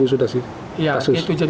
tujuh sudah sih